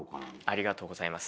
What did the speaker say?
ありがとうございます。